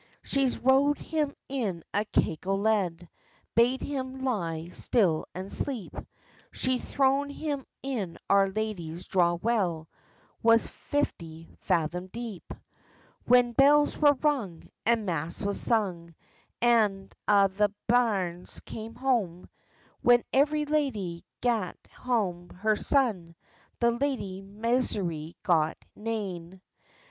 She's rowd him in a cake o lead, Bade him lie still and sleep; She's thrown him in Our Lady's draw well, Was fifty fathom deep. When bells were rung, and mass was sung, And a' the bairns came hame, When every lady gat hame her son, The Lady Maisry gat nane.